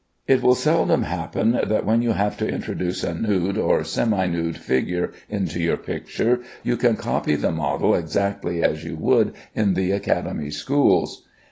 It will seldom happen that when you have to introduce a nude or semi nude figure into your picture, you can copy the model exactly as you would in the Academy schools.